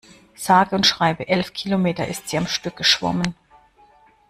Sage und schreibe elf Kilometer ist sie am Stück geschwommen.